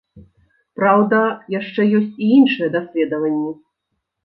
Праўда, яшчэ ёсць і іншыя даследаванні.